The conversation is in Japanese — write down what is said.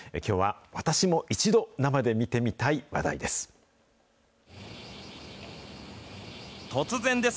私も一度、生で見てみたい話題です。